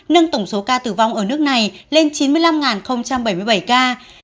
nâng tổng số ca tử vong ở nước này lên chín mươi năm bảy mươi bảy ca